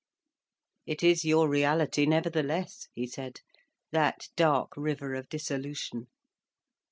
"It is your reality, nevertheless," he said; "that dark river of dissolution.